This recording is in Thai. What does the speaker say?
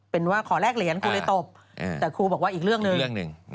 เป็นว่าขอแรกเหรียญครูเลยตบแต่ครูบอกว่าอีกเรื่องนึง